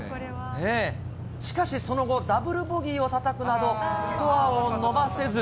しかし、その後、ダブルボギーをたたくなど、スコアを伸ばせず。